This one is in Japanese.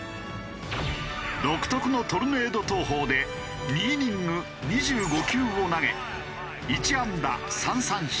独特のトルネード投法で２イニング２５球を投げ１安打３三振